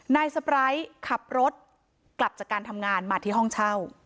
นายสปร้ายขับรถกลับจากการทำงานมาที่ห้องเช่า